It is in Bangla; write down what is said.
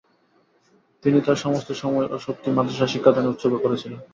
তিনি তার সমস্ত সময় ও শক্তি মাদ্রাসার শিক্ষাদানে উৎসর্গ করেছিলেন।